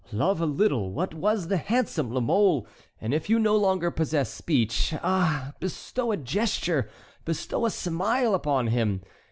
Love a little what was the handsome La Mole; and if you no longer possess speech, ah! bestow a gesture, bestow a smile upon him.